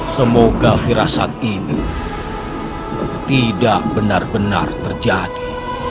semoga firasat ini tidak benar benar terjadi